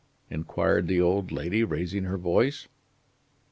inquired the old lady, raising her voice.